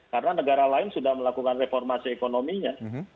karena negara lain sudah melakukan reformasi ekonominya